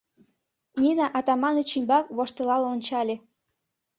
Нина Атаманыч ӱмбак воштылал ончале: